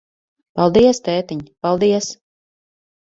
Paldies, tētiņ, paldies.